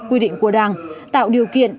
quy định của đảng tạo điều kiện